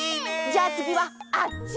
じゃあつぎはあっち！